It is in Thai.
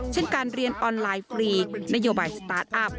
เช่นการเรียนออนไลน์ฟรีนโยบายสตาร์ทอัพ